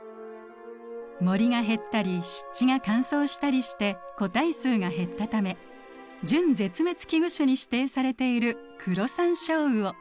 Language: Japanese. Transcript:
森が減ったり湿地が乾燥したりして個体数が減ったため準絶滅危惧種に指定されているクロサンショウウオ。